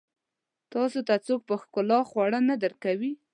تاسو ته څوک په ښکلا خواړه نه درکوي.